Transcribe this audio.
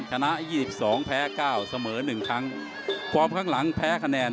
ชนะยี่สิบสองแพ้เก้าเสมอหนึ่งครั้งฟอร์มข้างหลังแพ้คะแนน